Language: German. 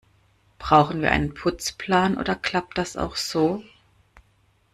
Brauchen wir einen Putzplan, oder klappt das auch so?